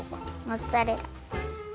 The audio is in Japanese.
モッツァレラ！